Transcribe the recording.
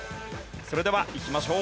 それではいきましょう。